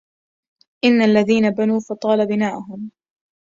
إن الذين بنوا فطال بناؤهم